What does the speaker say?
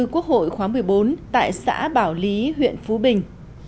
quốc hội khóa một mươi bốn tại xã bảo lý huyện phú bình